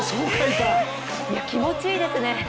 気持ちいいですね。